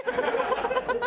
ハハハハ！